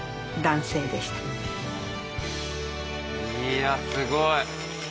いやすごい。